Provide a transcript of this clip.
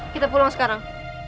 kita pulang sekarang